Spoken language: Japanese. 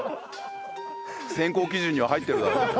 選考基準には入ってるだろって？